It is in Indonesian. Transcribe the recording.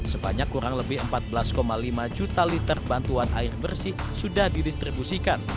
sebanyak kurang lebih empat belas lima juta liter bantuan air bersih sudah didistribusikan